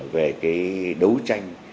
về cái đấu tranh